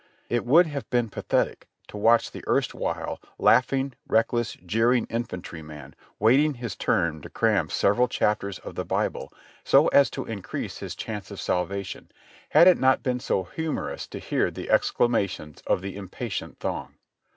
It would have been pathetic to watch the erstwhile laughing, reckless, jeering in fantryman waiting his turn to cram several chapters of the Bible the; second MANASSAS 247 SO as to increase his chance of salvation, had it not been so humer ous to hear the exclamations of the impatient throng.